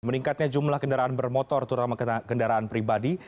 meningkatnya jumlah kendaraan bermotor terutama kendaraan pribadi